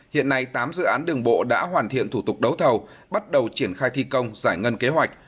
hiện nay tám dự án đường bộ đã hoàn thiện thủ tục đấu thầu bắt đầu triển khai thi công giải ngân kế hoạch